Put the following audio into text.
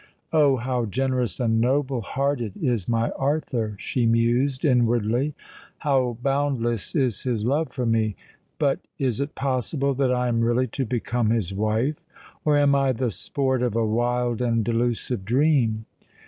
"Oh! how generous and noble hearted is my Arthur!" she mused inwardly: "how boundless is his love for me! But is it possible that I am really to become his wife? or am I the sport of a wild and delusive dream?